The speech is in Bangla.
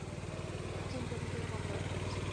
খুন-জখম থেকে মামলা উঠল।